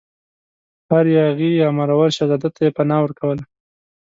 هر یاغي یا مرور شهزاده ته یې پناه ورکوله.